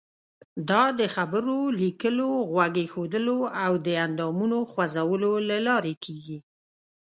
دا د خبرو، لیکلو، غوږ ایښودلو او د اندامونو خوځولو له لارې کیږي.